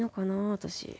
私。